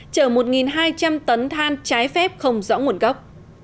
chở một hai trăm linh tấn than trái phép không rõ nguồn gốc